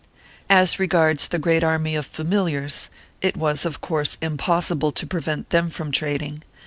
As regards the great army of familiars, it was of course impos sible to prevent them from trading.